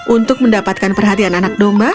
untuk mendapatkan perhatian anak domba